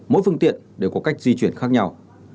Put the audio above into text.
mỗi phương tiện đều có cách di chuyển khác nhau